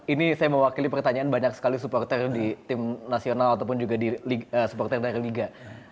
ini saya mewakili pertanyaan banyak sekali supporter di tim nasional ataupun juga di supporter dari liga